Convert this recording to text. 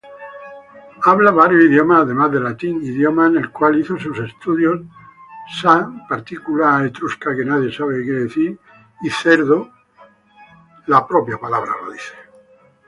Habla varios idiomas además del latín, idioma en el cual hizo sus estudios sacerdotales.